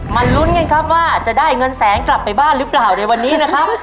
ลุ้นกันครับว่าจะได้เงินแสนกลับไปบ้านหรือเปล่าในวันนี้นะครับ